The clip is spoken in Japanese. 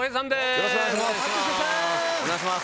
よろしくお願いします。